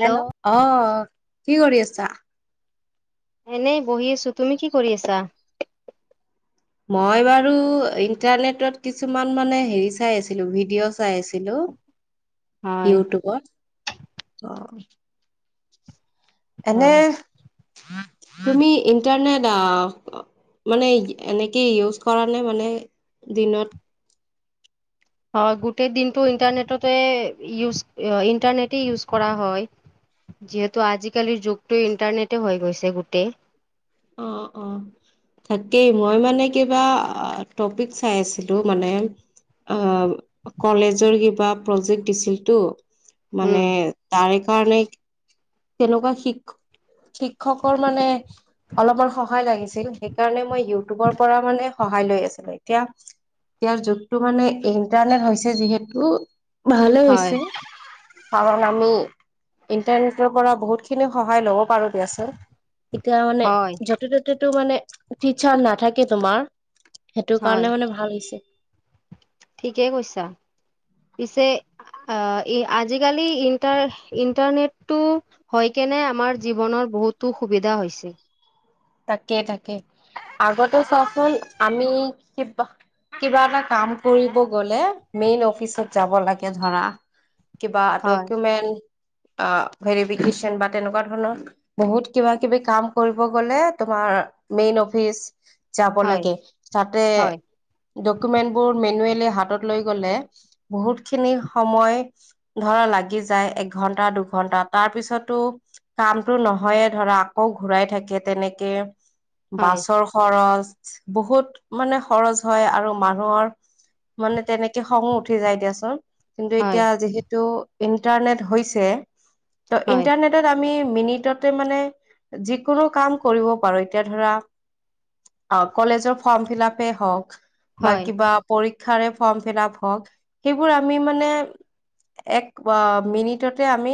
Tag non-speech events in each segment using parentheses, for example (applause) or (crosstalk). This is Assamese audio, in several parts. হেল্ল' অ কি কৰি আছা। এনেই বহি আছো তুমি কি কৰি আছা। মই বাৰু ইণ্টাৰনেটত কিছুমান মানে হেৰি চাই আছিলোঁ ভিডিঅ' চাই আছিলোঁ? হয় ইউটিউবৰ অ। এনে হয় তুমি ইন্টাৰনেট মানে এনেকে ইউজ কৰা নে মানে দিনত। হয় গোটেই দিনটো ইণ্টাৰনেটতে ইউজ ইণ্টাৰনেটেই ইউজ কৰা হয় যিহেতু আজিকালিৰ যুগটো ইণ্টাৰনেটে হৈ গৈছে গোটেই? অ অ তাকেই মই মানে কিবা টপিক চাই আছিলো মানে অ কলেজৰ কিবা প্ৰজেক্ট দিছিলতো? মানে উম তাৰে। কাৰণে তেনেকুৱা শিক শিক্ষকৰ মানে। অলপমান সহায় লাগিছিল সেইকাৰণে মই ইউটিউবৰ পৰা মানে সহায় লৈ আছিলো এতিয়া ইয়াৰ যুগটো মানে ইন্টাৰনেট হৈছে যিহেতু। ভালে হয় হৈছে। কাৰণ আমি ইণ্টাৰনেটৰ পৰা বহুত খিনি সহায় ল'ব পাৰো। আ এতিয়া মানে। হয় যতে ততে। টো মানে টিচাৰ নাথাকে তোমাৰ। সেইটো হয় কাৰণে মানে ভাল হৈছে। ঠিকেই কৈছা পিছে আজিকালি ইণ্টাৰ ইন্টাৰনেটটো হয় কেনে আমাৰ জীৱনৰত বহুতো সুবিধা হৈছে? তাকেই তাকে আগতে চাচোন আমি কিবা এটা কাম কৰিব গলে মেইন অফিচত যাব লাগে ধৰা। কিবা হয় ডকুমেণ্ট। অ ভেৰিফিকেশচন বা তেনেকুৱা ধৰণৰ বহুত কিবা কিবি কাম কৰিব গলে। তোমাৰ মেইন অফিচ। যাব হয় লাগে তাতে হয় ডকুমেন্টবোৰ মেনুৱেলি। হাতত লৈ গলে বহুত খিনি সময় ধৰা লাগি যায় একঘন্টা দুঘন্টা তাৰ পিছতো কামতটো নহয়ে ধৰা আকৌ ঘূৰাই থাকে তেনেক। এ হয় বাছৰ খৰচ। বহুত মানে খৰচ হয় আৰু মানুহৰ মানে তেনেকে খঙো উঠি যায় দিয়াচোন? কিন্তু হয় এতিয়া যিহেতু? ইণ্টাৰনেট হৈছে। ত হয় ইণ্টাৰনেটত আমি মিনিটতে মানে যিকোনো কাম কৰিব পাৰো। এতিয়া ধৰা অ কলেজৰ ফৰ্ম ফিলাপেই হ‌ওক। বা হয় কিবা পৰী শিক্ষাৰে ফৰ্ম ফিলাপ হওঁক, সেইবোৰ আমি মানে এক অ মিনিটতে আমি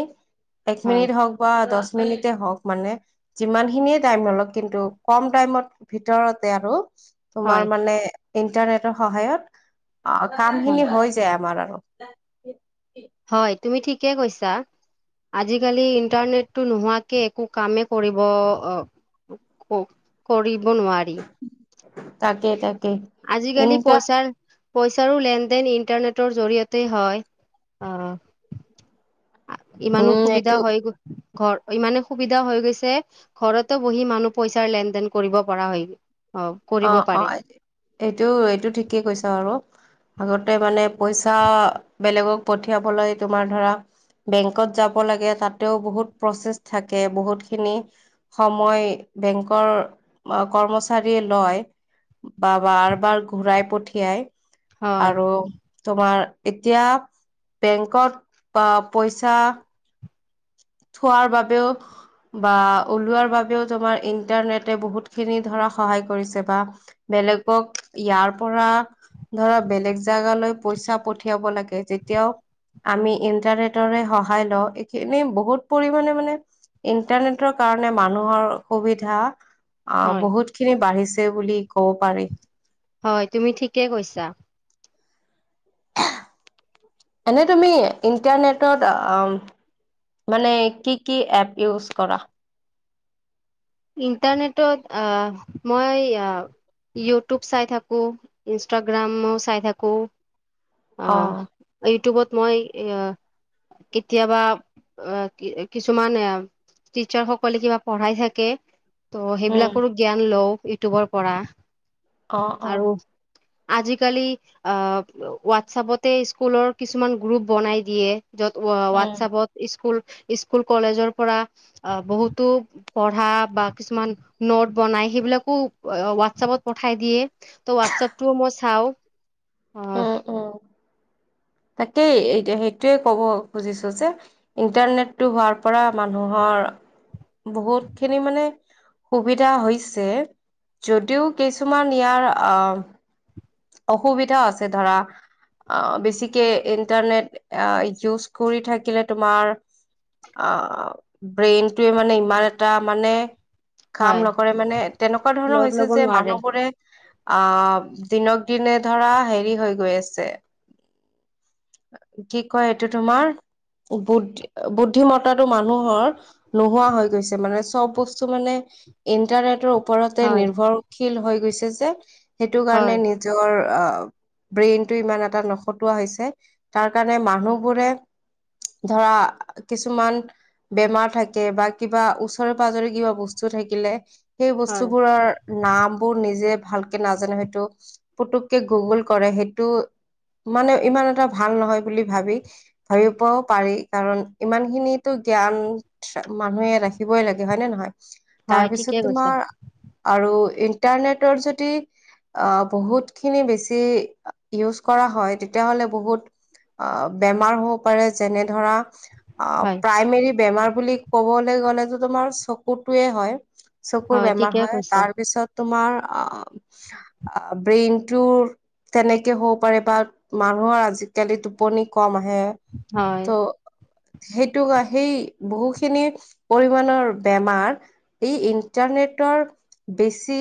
এক হয় মিনিট হওক বা দচ মিনিটতে হওক মানে যিমানখিনিয়ে টাইম নলও কিন্তু কম টাইমৰ ভিতৰতে আৰু। হয় তোমাৰ মানে ইণ্টাৰনেটৰ সহায়ত। অ হয় কামখিনি হৈ যায় আমাৰৰ। (unintelligible) হয়। তুমি ঠিকে কৈছা, আজিকালি ইণ্টাৰনেটটো নোহোৱাকে একো কামেই কৰিব অ কৰি ব নোৱাৰি। তাকেই তাকেই আজিকালি ইণ্টা পইচাৰ পইচাৰো লেনদেন ইণ্টাৰনেটৰ জৰিয়তেই হয়। অঁ! ইমানো উম সুবিধা এইটো হয় গৈ ঘৰ, ‌ইমানে সুবিধা হৈ গৈছে, ঘৰতো বহি মানুহ পইচাৰ লেনদেন কৰিব পৰা হয়। অ-অ এইটো! এইটো ঠিকেই কৈছা আৰু। আগতে মানে পইচা বেলেগক পঠিয়াবলৈ তোমাৰ ধৰা বেংকত যাব লাগে, তাতেও বহুত প্ৰচেছ থাকে, বহুতখিনি সময় বেংকৰ কৰ্মচাৰীৰ লয় বা বাৰ-বাৰ ঘূৰাই পঠিয়াই। হয় আৰু তোমাৰ এতিয়া বেংকত বা পইচা থোৱাৰ বাবেও বা ওলোৱাৰ বাবেও তোমাৰ ইন্টাৰনেটে বহুতখিনি ধৰা সহায় কৰিছে বা বেলেগক ইয়াৰ পৰা ধৰা বেলেগ জেগালৈ পইচা পঠিয়াব লাগে তেতিয়াও আমি ইন্টাৰনেটৰে সহায় লওঁ। এনেই বহুত পৰিমাণে মানে ইন্টাৰনেটৰ কাৰণে মানুহৰ সুবিধা অ হয় বহুতখিনি বাঢ়িছে। বুলি ক'ব পাৰি। হয় তুমি ঠিকে কৈছা। এনে‌ই তুমি ইণ্টাৰনেটত মানে কি-কি এপ ইউজ কৰা? ইণ্টাৰনেটত আহ মই এ ইউটিউব চাই থাকোঁ, ইনষ্টাগ্ৰামো চাই থাকোঁ। অ অঁ ইউটিউবত মই এ কেতিয়াবা এ কিছুমান এ টিচাৰসকলে কিবা পঢ়াই থাকে। ত' উম সেইবিলাকৰো জ্ঞান লওঁ। ইউটিউবৰ পৰা। অ-অ। আজি কালি আ হোৱাটছপতে স্কুলৰ কিছুমান গ্ৰুপ বনাই দিয়ে য'ত উম হোৱাটছএপত স্কুল স্কুল কলেজৰ পৰা বহুতো পঢ়া বা কিছুমান নোট বনাই সেইবিলাকো হোৱাটছএপত পঠাই দিয়ে ত হোৱাটছপটোও মই চাওঁ। অ অ তাকেই সেইটোৱে কব খুজিছো যে। ইণ্টাৰনেটটো হোৱাৰ পৰা মানুহৰ বহুত খিনি মানে সুবিধা হৈছে যদিও কিছুমান ইয়াৰ আহ অসুবিধাও আছে ধৰা আহ বেছিকে ইণ্টাৰনেট আহ ইউজ কৰি থাকিলে তোমাৰ আহ ব্ৰেইনটোৱে মানে ইমান এটা মানে। কাম হয় নকৰে মানে তেনেকুৱা ধৰণৰ লড হৈছে ল'ব যে নোৱাৰে মানুহবোৰে আব দিনক দিনে ধৰা হেৰি হৈ গৈ আছে কি কয় এইটো তোমাৰ বু বুদ্ধিমত্তাটো মানুহৰ নোহোৱা হৈ গৈছে মানে চব বস্তু মানে ইণ্টাৰনেটৰৰত ওপৰতে হয় নিৰ্ভৰশীল হৈ গৈছে যে হয় কাৰণে নিজৰ আহ ব্ৰেইন টো ইমান এটা নখটোৱা হৈছে তাৰ কাৰণে মানুহবোৰে ধৰা কিছুমান বেমাৰ থাকে বা কিবা ওচৰে পাজৰে কিবা বস্তু থাকিলে সেই হয় বস্তুবোৰৰ নাম বোৰ নিজে ভালকে নাজানে হয়তো পুতুককে গুগুল কৰে সেইটো মানে ইমান এটা ভাল নহয় বুলি ভাবি ভাবিবও পাৰি কাৰণ ইমান খিনিতো জ্ঞান মানুহে ৰাখিবই লাগে হয় নে নহয়। হয় তাৰপিছত ঠিকে কৈছা তোমাৰ আৰু ইণ্টাৰনেটৰ যদি আহ বহুতখিনি বেছি ইউজ কৰা হয় তেতিয়াহলে বহুত আহ বেমাৰ হ'ব পাৰে যেনে ধৰা অ হয় প্ৰাইমেৰী বেমাৰ বুলি ক'বলৈ গ'লেতো তোমাৰ চকুতয়ে হয় চকুৰ বেমাৰ ঠিকে হয় কৈছা তাৰ পিছত তোমাৰ আম ব্ৰেইন টো তেনেকে হ'ব পাৰে বা মানুহৰ আজিকালি টোপনি কম আহে। হে হয় ত সেইটো সেই বহুখিনি পৰিমণৰ বেমাৰ এই ইন্টাৰনেটৰ বেছি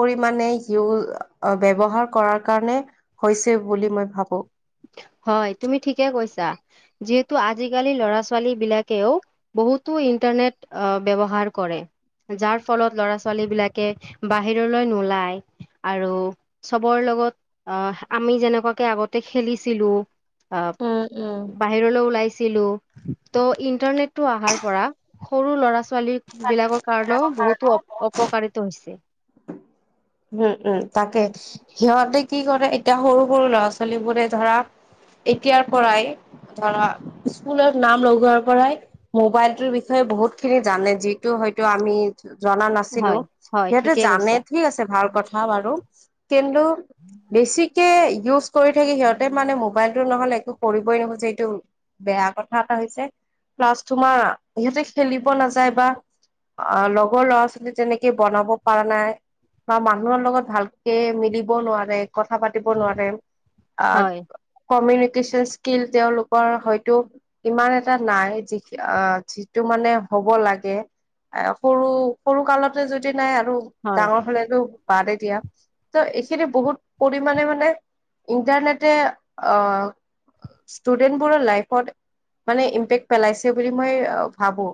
পৰিমানে ইউচ অ ব্যৱহাৰ কৰাৰ কাৰণে হৈছে বুলি মই ভাবো হয় তুমি ঠিকে কৈছা, যিহেতু আজিকালি লৰা ছোৱালী বিলাকেও বহুতো ইন্টাৰনেট ব্যৱহাৰ কৰে যাৰ ফলত লৰা ছোৱালী বিলাকে বাহিৰলৈ নোলায় আৰু চবৰ লগত আহ আমি যেনেকুৱাকে আগতে খেলিছিলো আহ উম উম বাহিৰলৈ ওলাইছিলো ত' ইন্টাৰনেটটো অহাৰ পৰা সৰু ল'ৰা ছ ছোৱালী বিলাকৰ কাৰণেও বহুতো অ অপকাৰিত হৈছে উম, উম, তাকে সিহঁতে কি কৰে এতিয়া সৰু সৰু ল'ৰা ছোৱালী বোৰে ধৰা এতিয়াৰ পৰাই ধৰা স্কুলত নাম লগোৱাৰ পৰাই মোবাইল ৰ বিষয়ে বহুত খিনি জানে যিটো হয়তো আমি জনা নাছিলো হয় হয় সিহঁতে ঠিকে জানে কৈছা ঠিক আছে ভাল কথা বাৰু। কিন্তু বেছি। কে ইউজ কৰি থাকি সিহঁতে মানে মোবাইলটো নহ'লে একো কৰিবই নোখোজে, এইটো বেয়া কথা এটা হৈছে, প্লাছ তোমাৰ সিহঁতে খেলিব নাযায় বা আ লগৰ ল'ৰা-ছোৱালী তেনেকে বনাব পাৰা নাই বা মানুহৰ লগত ভালকে মিলিব নোৱাৰে, কথা পাতিব নোৱাৰে। আ হয় কমিৰি কেচন স্কিল তেওঁলোকৰ হয়তো ইমান এটা নাই, যি আ যিটো মানে হ'ব লাগে। এ সৰু-সৰু কালতে যদি নাই আৰু হয় ডাঙৰ হ'লেতো বাদেই দিয়া। ত' এইখিনি বহুত পৰিমাণে মানে ইন্টাৰনেটে অ ষ্টুডেন্টবোৰৰ লাইফত মানে ইম্পেক্ট পেলাইছে বুলি মই ভাবো।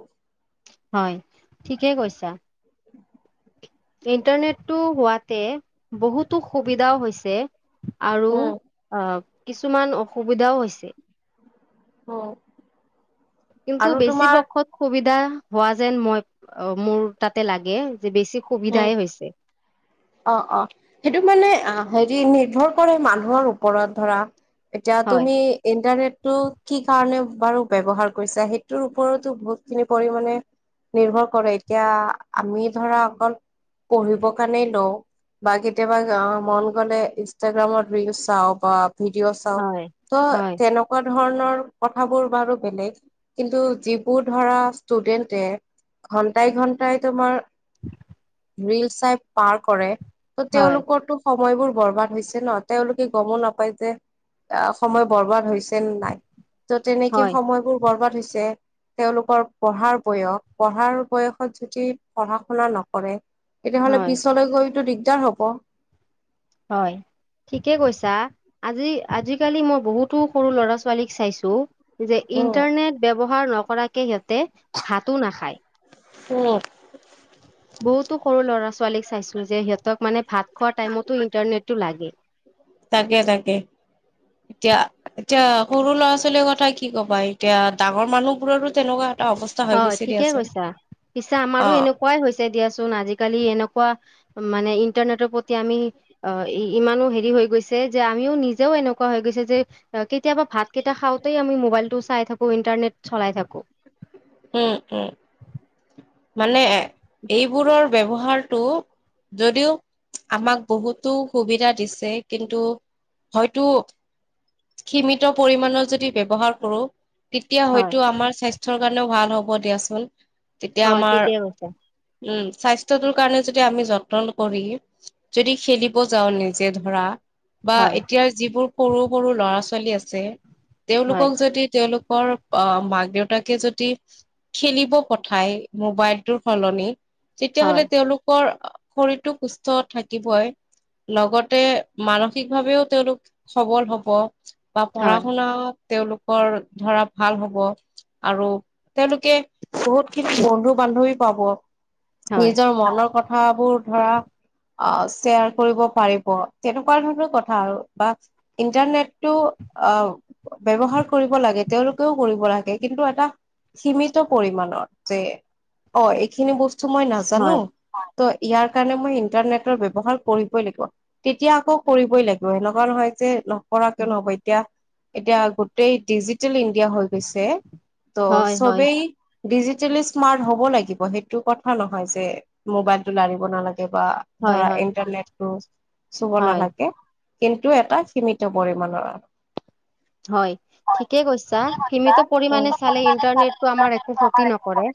হয়, ঠিকে কৈছা। ইণ্টাৰনেটটো হোৱাতে বহুতো সুবিধাও হৈছে। আৰু উম আ কিছুমান অসুবিধাও হৈছে। অ'। কিন্তু বেছি পক্ষত সুবি (unintelligible) হোৱা যেন মই অ', মোৰ তাতে লাগে। যে বেছি উম, সুবিধাই হৈছে। অ', অ', সেইটো মানে আ হেৰি নিৰ্ভৰ কৰে মানুহৰ ওপৰত ধৰা। এতিয়া হয় তুমি ইণ্টাৰনেট টো কি কাৰণে বাৰু ব্যৱহাৰ কৰিছা সেইটোৰ ওপৰতো বহুতখিনি পৰিমাণে নিৰ্ভৰ কৰে, এতিয়া আমি ধৰা অকল পঢ়িবৰ কাৰণে ল‌ওঁ বা কেতিয়াবা (unintelligible) মন গ'লে ইনষ্টাগ্ৰামত ৰিলছ চাওঁ বা ভিডিঅ' চাওঁ, হয় ত' হয় তেনেকুৱা ধৰণৰ কথাবোৰ বাৰু বেলেগ, কিন্তু যিবোৰ ধৰা ষ্টুডেন্টে ঘন্টাই-ঘন্টাই তোমাৰ (inaudible) ৰিলছ চাই পাৰ কৰে ত' হয় তেওঁলোকৰতো স সময়বোৰ বৰবাদ হৈছে ন, তেওঁলোকে গমো নাপায় যে, আ সময় বৰবাদ হৈছে নে নাই। ত' তেনেকে হয় সময়বোৰ বৰবাদ হৈছ যে তেওঁলোকৰ পঢ়াৰ বয়স, পঢ়াৰ বয়সত যদি পঢ়া-শুনা নকৰে হয়। (unintelligible) গ'লেটো দিগদাৰ হ'ব। হয়, ঠিকে কৈছা, আজি-আজিকালি মই বহুতো সৰু ল'ৰা-ছোৱালীক চাইছোঁ যে উম ইণ্টাৰনেট ব্যৱহাৰ ন কৰাকে সিহঁতে ভাতো নাখায়। উম। বহুতো সৰু ল'ৰা ছোৱালীক চাইছো যে, সিহঁতক মানে ভাত খোৱা টাইমতো ইন্টাৰনেটটো লাগে। তাকে তাকে। এতিয়া এতিয়া সৰু ল'ৰা ছোৱালীৰ কথা কি ক'বা, এতিয়া ডাঙৰ মানুহবোৰৰো তেনেকুৱা এটা অৱস্থা হৈ হয় গৈছে ঠিকে দিয়াচোন কৈছা। পিছে আমাৰো অ এনেকুৱাই হৈছে দিয়াচোন। আজিকালি এনেকুৱা মানে ইন্টাৰনেটৰ প্ৰতি আমি ইমানো হেৰি হৈ গৈছে যে আমিও নিজেও এনেকোৱা হৈ গৈছে যে, কেতিয়াবা ভাতকেইটা খাওঁতেই আমি মবাইলটো চাই থাকো ইন্টাৰট চলাই থাকো। উম উম। মানে এইবোৰৰ ব্যৱহাৰটো যদিও আমাক বহুতো সুবিধা দিছে, কিন্তু হয়তো সীমিত পৰিমাণৰ যদি ব্যৱহাৰ কৰো তেতিয়া হয় হয়তো আমাৰ স্বাস্থ্যৰ কাৰণেও ভাল। হ'ব দিয়াচোন। তেতিয়া হয় আমাৰ ঠিকে কৈছা। উম স্বাস্থ্যটোৰ কাৰণে যদি আমি যত্ন কৰি, যদি খেলিব যাওঁ নিজে ধৰা বা হয় এতিয়াৰ যিবোৰ সৰু সৰু ল'ৰা ছোৱালী আ ছে হয় তেওঁলোকক যদি তেওঁলোক ৰ মাক দেউতাকে যদি খেলিব পঠায় মোবাইলটোৰ ফলত তুমি তেতিয়াহলে হয় তেওঁলোকৰ শৰীৰটো সুস্থ থাকিবই লগতে মানসিক ভাৱেও তেওঁলোক সবল হব। বা পঢ়া হয় শুনাত তেওঁলোকৰ ধৰা ভাল হব আৰু তেওঁলোকে বহুত খিনি বন্ধু বান্ধৱী পাব হয় নিজৰ মনৰ কথা থাবোৰ ধৰা, অ শেয়াৰ কৰিব পাৰিব তেনেকোৱা ধৰণৰ কথা আৰু বা ইণ্টাৰনেটটো আহ ব্যৱহাৰ কৰিব লাগে তেওঁলোকেও কৰিব লাগে কিন্তু এটা সীমিত পৰিমানত যে অ সিখিনি ব স্তু মই নাজানো। হয় ত'ইয়াৰ কাৰণে মই ইণ্টাৰনেটৰ ব্যৱহাৰ কৰিবই লাগিব। তেতিয়া আকৌ কৰিবই লাগিব। এনেকোৱা নহয় যে পৰাকে নহ'ব এতিয়া এতিয়া গোটেই ডিজি টেল ইণ্ডিয়া হৈ গৈছে, হয় ত' হয় চবেই ডিজিটেলি স্মাৰ্ট হ'ব লাগিব সেই টো কথা নহয় যে, মোবাইলটো লাৰিব নালাগে কে বা হয় ধৰা হয় ইণ্টাৰনেট অ। চুব হয় নালাগে কিন্তু এটা সীমিত পৰিমানৰ ব হয় ঠিকে কৈছা সীমিত হম পৰিমাণে চালে ইণ্টাৰনেটতো একো ক্ষতি নকৰে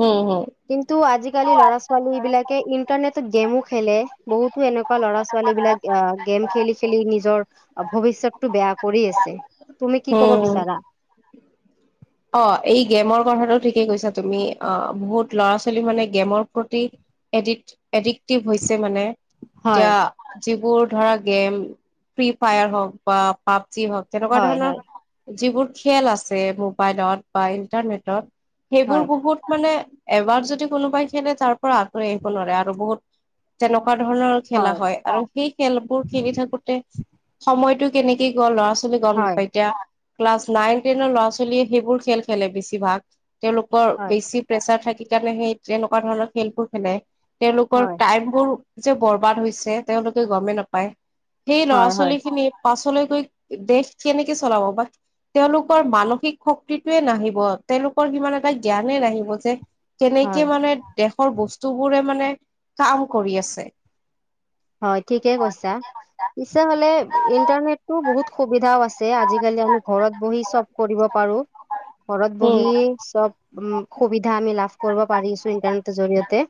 হম কিন্তু আজিকালি লৰা ছোৱালী বিলাকে ইন্টাৰনেটত গেমো খেলে বহুতো এনেকোৱা ল'ৰা ছোৱালী বিলাক অ গেম খেলি খেলি নিজৰ ভৱিষ্যতটো বেয়া কৰি আছে যে তুমি কি কব হম হম বিচাৰা অ এই গেমৰ কথাটো ঠিকেই কৈছা তুমি, অ বহুত ল'ৰা ছোৱালী মানে, গেমৰ প্ৰতি এডিকট এডিক্টিভ হৈছে মানে, এতিয়া হয় যিবোৰ ধৰা গেম, ফ্ৰী ফায়াৰ হওক বা পাব যি হওক, তেনেকুৱা হয় ধৰণৰ হয় যিবোৰ খেল আছে, মোক মোবাইলত বা ইণ্টাৰনেটত বা সেইবোৰ হয় বহুত মানে, এবাৰ যদি কোনোবাই খেলে তাৰ পৰা আঁতৰি আহিব নোৱাৰে, আৰু বহুত তেনেকুৱা তেনেকুৱা ধৰণৰ খেলা হয় আৰু সেই খেলবোৰ খেলি থাকোতে সময়টো কেনেকে গ'ল ল'ৰা ছোৱালী গম হয় নাপায়, ‌ এতিয়া ক্লাছ নাইন টেনৰ ল'ৰা ছোৱালী লীয়ে সেইবোৰ খেল খেলে বেছিভাগ। তেওঁলোকৰ হয় বেছি প্ৰেছাৰ থাকি কাৰণে সেই যেনেকুৱা ধৰণৰ খেলবোৰ খেলে তেওঁলোকৰ হয় টাইম বোৰ যে বৰবাদ হৈছে তেওঁলোকে গমেই নাপায়। সেই ল'ৰা হয় হয় ছোৱালী খিনিৰ পাছলৈ গৈ দেশ কেনেকে চলাব বা তেওঁলোকৰ মানসিক শক্তিটোয়ে নাহিব, তেওঁলোকৰ সিমান এটা জ্ঞানে নাহিব যে হয় কেনেকে মানে দেশৰ বস্তুবোৰে মানে কাম কৰি আছে। হয়, ঠিকে কৈছা। তেনেহ'লে, ইন্টাৰনেটো বহুত সুবিধাও আছে, আজিকালি আমি ঘৰত বহি চব কৰিব পাৰোঁ। ঘৰত বহি উম চব উ! সুবিধা আমি লাভ কৰিব পাৰিছোঁ ইণ্টাৰনেটৰ জৰিয়তে।